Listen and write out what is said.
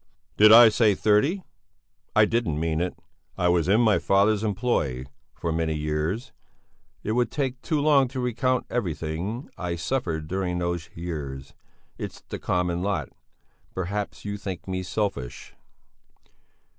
"Did I say thirty? I didn't mean it. I was in my father's employ for many years. It would take too long to recount everything I suffered during those years; it's the common lot. Perhaps you think me selfish...."